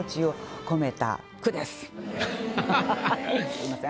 すみません。